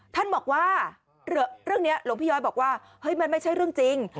ท่านบอกว่าเรื่องนี้หลวงพี่ย้อยบอกว่าเฮ้ยมันไม่ใช่เรื่องจริง